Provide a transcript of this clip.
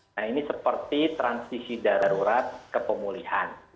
nah ini seperti transisi darurat kepemulihan